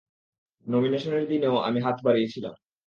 নমিনেশনের দিনেও আমি হাত বাড়িয়েছিলাম।